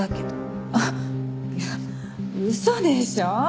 あっいや嘘でしょ？